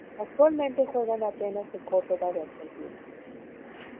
Actualmente juega en Atenas de Córdoba de Argentina.